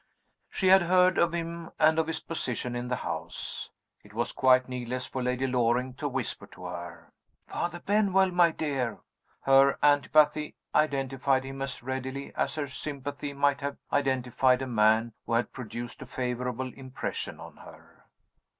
She had heard of him, and of his position in the house. It was quite needless for Lady Loring to whisper to her, "Father Benwell, my dear!" Her antipathy identified him as readily as her sympathy might have identified a man who had produced a favorable impression on her.